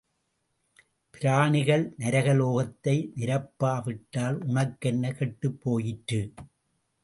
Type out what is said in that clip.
பிராணிகள், நரகலோகத்தை நிரப்பா விட்டால் உனக்கென்ன கெட்டுப் போயிற்று?